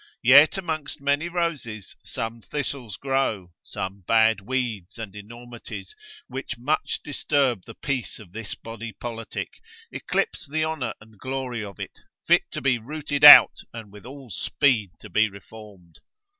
Yet amongst many roses, some thistles grow, some bad weeds and enormities, which much disturb the peace of this body politic, eclipse the honour and glory of it, fit to be rooted out, and with all speed to be reformed.